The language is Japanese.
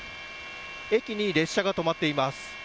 駅に列車が止まっています。